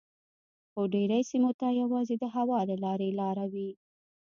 خو ډیری سیمو ته یوازې د هوا له لارې لاره وي